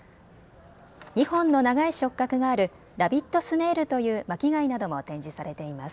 ２本の長い触角があるラビットスネールという巻き貝なども展示されています。